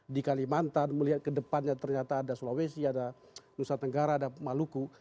di kalimantan melihat ke depannya ternyata ada sulawesi ada nusa tenggara ada maluku